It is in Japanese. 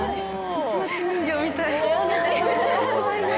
・市松人形みたい・やだ